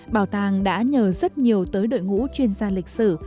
bảo tàng đã nhờ rất nhiều tới đội ngũ chuyên gia lịch sử